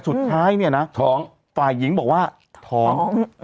สุดท้ายเนี่ยนะท้องฝ่ายหญิงบอกว่าท้อง